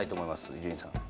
伊集院さん。